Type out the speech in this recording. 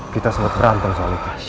kita sempet berantem soalnya